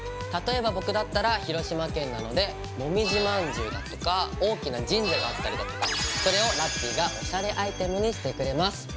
例えば僕だったら広島県なのでもみじまんじゅうだとか大きな神社があったりだとかそれをラッピィがおしゃれアイテムにしてくれます。